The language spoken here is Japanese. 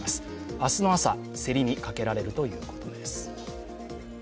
明日の朝、競りにかけられるということです。